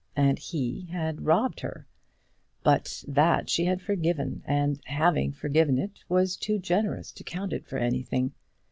And he had robbed her! But that she had forgiven; and, having forgiven it, was too generous to count it for anything.